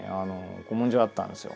古文書あったんですよ。